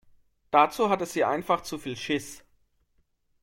Dazu hatte sie einfach zu viel Schiss.